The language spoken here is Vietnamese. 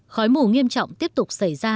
khói mù nghiêm trọng tiếp tục xảy ra